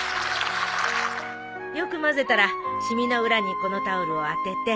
よく混ぜたら染みの裏にこのタオルを当てて。